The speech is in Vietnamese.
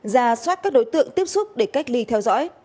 ra soát các đối tượng tiếp xúc để cách ly theo dõi